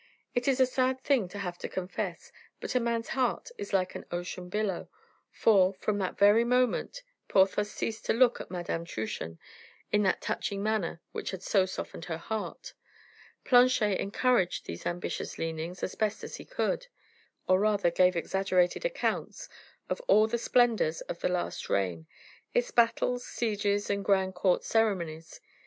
It is a sad thing to have to confess, but a man's heart is like an ocean billow; for, from that very moment Porthos ceased to look at Madame Truchen in that touching manner which had so softened her heart. Planchet encouraged these ambitious leanings as best as he could. He talked over, or rather gave exaggerated accounts of all the splendors of the last reign, its battles, sieges, and grand court ceremonies.